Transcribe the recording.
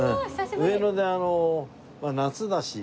上野でまあ夏だし。